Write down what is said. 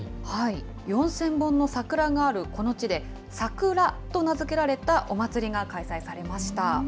４０００本の桜があるこの地で、サクラと名付けられたお祭りが開催されました。